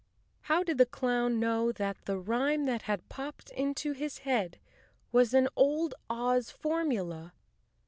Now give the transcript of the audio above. How did the clown know that the rhyme that had popped into his head was an old Oz formula?